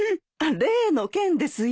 例の件ですよ。